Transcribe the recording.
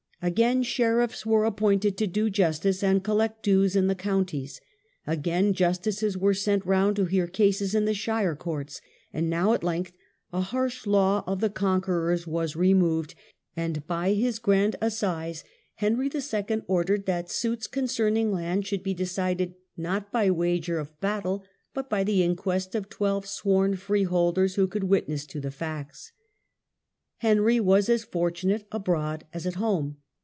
Again sheriffs were appointed to do justice and collect dues in the counties; again justices were sent round to hear cases in the shire courts. And now at length a harsh law of the Conqueror's was removed, and by his Grand Assize Henry II. ordered that suits concern ing land should be decided not by wager of battle, but by the inquest of twelve sworn freeholders who could witness to the facts. Henry was as fortunate abroad as at home.